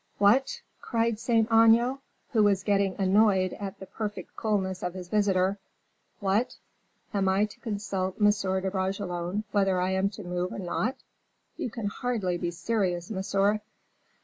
"What!" cried Saint Aignan, who was getting annoyed at the perfect coolness of his visitor "what! am I to consult M. de Bragelonne whether I am to move or not? You can hardly be serious, monsieur."